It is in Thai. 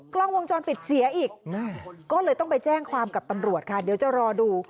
กล้องวงจรปิดเสียอีกก็เลยต้องไปแจ้งความกับตำรวจค่ะเดี๋ยวจะรอดู